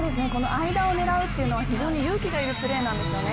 間を狙うというのは非常に勇気がいるプレーなんですよね。